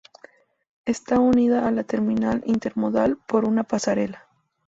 Está unida a la Terminal Intermodal por una pasarela.